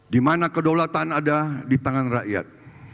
di mana kedaulatan ada di tangan rakyat